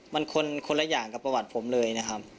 มันคนละอย่างกับประวัติผมเลย